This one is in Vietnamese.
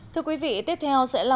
thưa quý vị tiếp theo sẽ là